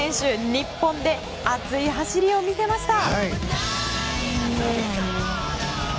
日本で熱い走りを見せました。